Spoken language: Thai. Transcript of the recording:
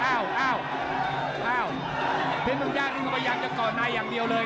อ้าวอ้าวเพชรบรึงจ้านี่ก็ยังจะก่อในอย่างเดียวเลย